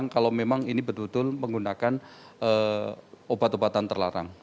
kalau memang ini betul betul menggunakan obat obatan terlarang